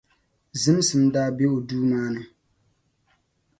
Zimsim daa be o duu maa ni,